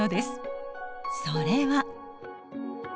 それは。